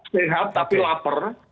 sehat tapi lapar